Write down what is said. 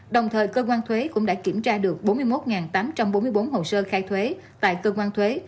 đồng thời cơ quan thuế cũng đã kiểm tra được bốn mươi một tám trăm bốn mươi bốn hồ sơ khai thuế tại cơ quan thuế